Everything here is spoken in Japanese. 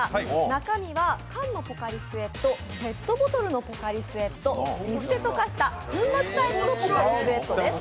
中身は缶のポカリスエット、ペットボトルのポカリスエット、水で溶かした粉末タイプのポカリスエットです。